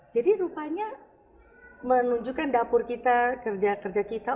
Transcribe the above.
jadi rupanya menunjukkan dapur kita kerja kerja kita